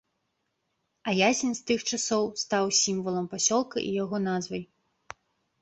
А ясень з тых часоў стаў сімвалам пасёлка і яго назвай.